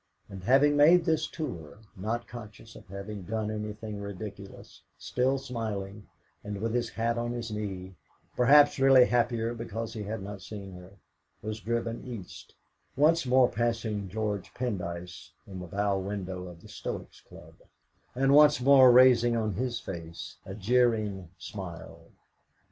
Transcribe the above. And having made this tour, not conscious of having done anything ridiculous, still smiling, and with his hat on his knee, perhaps really happier because he had not seen her, was driven East, once more passing George Pendyce in the bow window of the Stoics' Club, and once more raising on his face a jeering smile.